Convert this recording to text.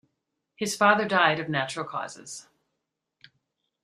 His father died of natural causes.